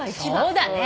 そうだね。